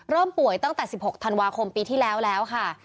ป่วยตั้งแต่๑๖ธันวาคมปีที่แล้วแล้วค่ะ